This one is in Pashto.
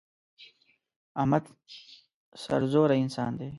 احمد سرزوره انسان دی.